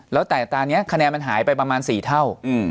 แล้วแต่ตอนนี้คะแนนมันหายไปประมาณ๔เท่า